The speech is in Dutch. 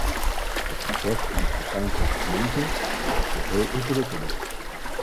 Het proces om het verschijnsel te genezen, is echter veel ingewikkelder.